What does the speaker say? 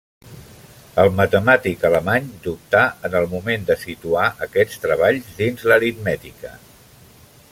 El matemàtic alemany dubtà en el moment de situar aquests treballs dins l'aritmètica.